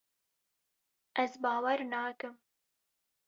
Ez bawer nakim.